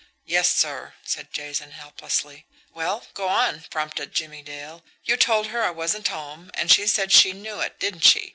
"Yes, sir," said Jason helplessly. "Well, go on," prompted Jimmie Dale. "You told her I wasn't home, and she said she knew it, didn't she?